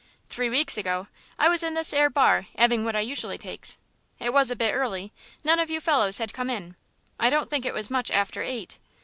Three weeks ago I was in this 'ere bar 'aving what I usually takes. It was a bit early; none of you fellows had come in. I don't think it was much after eight.